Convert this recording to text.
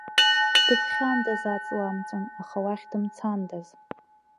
Дыԥхьандаз аҵла амҵан, аха уахь дымцандаз!